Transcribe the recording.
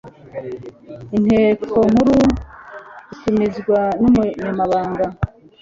inteko nkuru itumizwa n'umunyamabanga